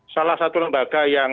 salah satu lembaga yang